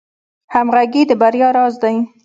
همغږي د بریا راز دی